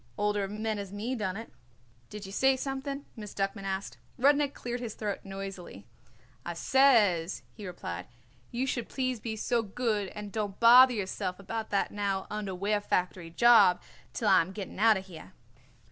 Older men as me done it." "Did you say something?" Miss Duckman asked. Rudnik cleared his throat noisily. "I says," he replied, "you should please be so good and don't bother yourself about that now underwear factory job till I am getting out of here."